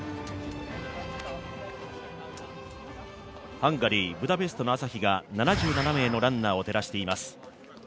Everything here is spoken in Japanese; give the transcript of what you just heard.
ハンガリー・ブダペストの朝日が７７名のランナーを照らしています。